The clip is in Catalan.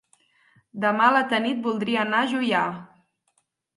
Demà na Tanit voldria anar a Juià.